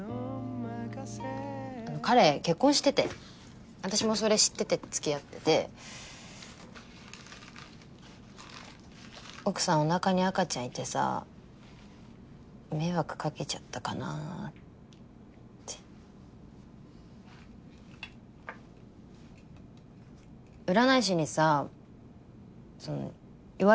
彼結婚してて私もそれ知っててつきあってて奥さんおなかに赤ちゃんいてさ迷惑かけちゃったかなーって占い師にさその言われたのよ